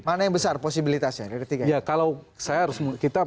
mana yang besar posibilitasnya dari ketiga